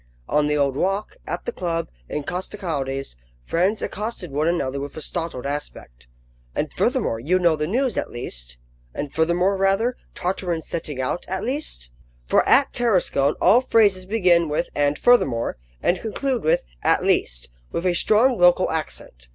On the Old Walk, at the club, in Costecalde's, friends accosted one another with a startled aspect: "And furthermore, you know the news, at least?" "And furthermore, rather? Tartarin's setting out, at least?" For at Tarascon all phrases begin with "and furthermore," and conclude with "at least," with a strong local accent.